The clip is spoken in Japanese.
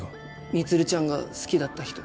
充ちゃんが好きだった人。